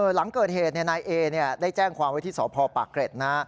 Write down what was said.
หลังเกิดเหตุนายเอได้แจ้งความไว้ที่สพปากเกร็ดนะ